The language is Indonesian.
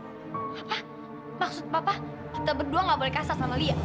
apa maksud papa kita berdua gak boleh kasar sama lia